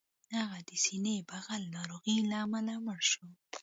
هغه د سینې بغل ناروغۍ له امله مړ شو